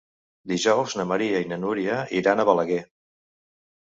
Dijous na Maria i na Núria iran a Balaguer.